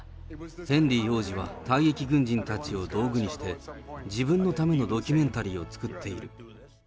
ヘンリー王子は退役軍人たちを道具にして、自分のためのドキュメンタリーを作っている。